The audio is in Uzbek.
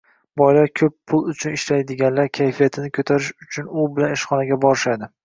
Boylar, ko'p pul uchun ishlaydiganlar, kayfiyatini ko'tarish uchun u bilan oshxonaga borishadi